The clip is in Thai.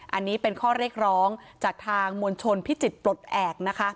อันนี้เป็นข้อเรียกร้องจากทางมวลชนพิจิตรปลดแอบนะคะ